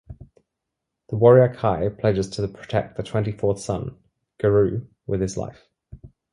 The warrior Cai pledges to protect the twenty-fourth son, Goreu with his life.